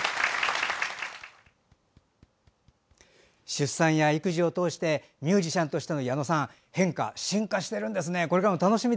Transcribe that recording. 出産や育児を通してミュージシャンとしての矢野さん変化、進化してるんですね！